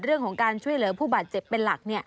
เรื่องของการช่วยเหลือผู้บาดเจ็บเป็นหลัก